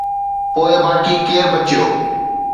پوءِ باقي ڪير بچيو؟